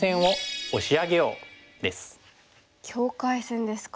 境界線ですか。